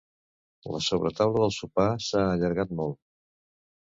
La sobretaula del sopar s'ha allargat molt.